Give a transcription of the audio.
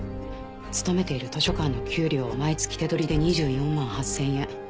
勤めている図書館の給料は毎月手取りで２４万８０００円。